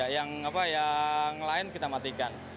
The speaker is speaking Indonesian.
yang lain kita matikan